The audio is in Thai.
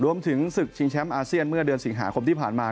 ศึกชิงแชมป์อาเซียนเมื่อเดือนสิงหาคมที่ผ่านมา